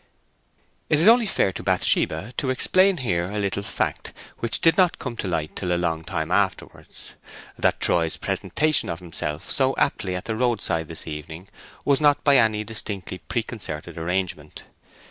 It is only fair to Bathsheba to explain here a little fact which did not come to light till a long time afterwards: that Troy's presentation of himself so aptly at the roadside this evening was not by any distinctly preconcerted arrangement.